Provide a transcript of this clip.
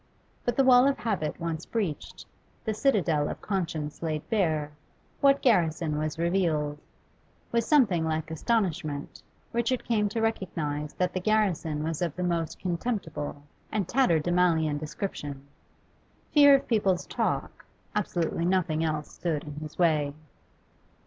But the wall of habit once breached, the citadel of conscience laid bare, what garrison was revealed? With something like astonishment, Richard came to recognise that the garrison was of the most contemptible and tatterdemalion description. Fear of people's talk absolutely nothing else stood in his way.